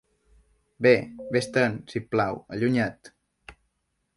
Bé, vés-te'n, si et plau, allunya't!